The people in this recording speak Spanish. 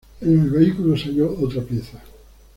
En el vehículo se halló otra pieza.